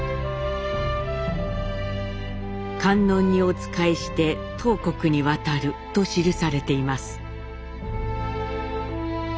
「観音にお仕えして唐国に渡る」と記されています。